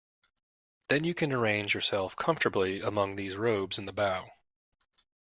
Then you can arrange yourself comfortably among these robes in the bow.